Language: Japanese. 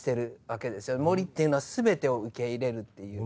森っていうのは全てを受け入れるっていう。